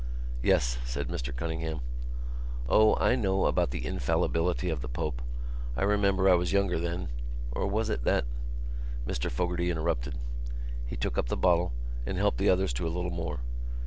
"Yes," said Mr Cunningham. "O, I know about the infallibility of the Pope. I remember I was younger then.... Or was it that——?" Mr Fogarty interrupted. He took up the bottle and helped the others to a little more.